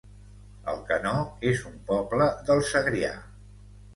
Alcanó es un poble del Segrià